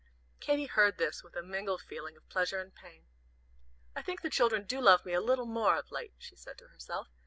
Katy heard this with a mingled feeling of pleasure and pain. "I think the children do love me a little more of late," she said to herself.